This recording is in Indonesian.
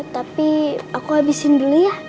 tapi aku habisin beli ya